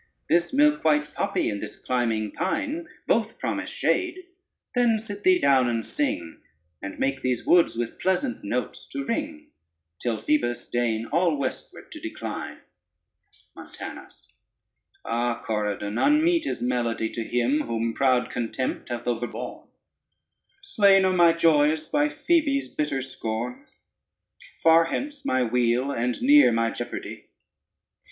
This milk white poppy, and this climbing pine Both promise shade; then sit thee down and sing, And make these woods with pleasant notes to ring, Till Phoebus deign all westward to decline. [Footnote 1: weep.] MONTANUS Ah, Corydon, unmeet is melody To him whom proud contempt hath overborne: Slain are my joys by Phoebe's bitter scorn; Far hence my weal, and near my jeopardy.